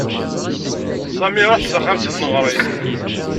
Sami iruḥ-d s axxam si tneɣrit.